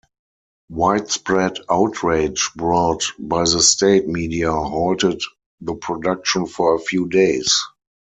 Widespread outrage brought by the state media halted the production for a few days.